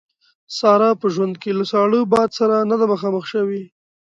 ساره په ژوند کې له ساړه باد سره نه ده مخامخ شوې.